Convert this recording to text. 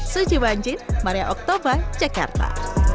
suji banjir maria oktober jakarta